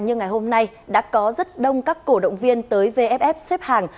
như ngày hôm nay đã có rất đông các cổ động viên tới vff xếp hàng